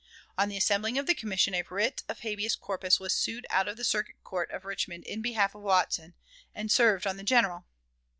On the assembling of the commission a writ of habeas corpus was sued out of the Circuit Court of Richmond in behalf of Watson, and served on the General.